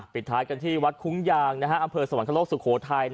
ปิดท้ายกันที่วัดคุ้งยางอำเภอสวรรคโลกสุโขทัย